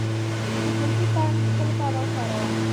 د ګلپي پاڼې د څه لپاره وکاروم؟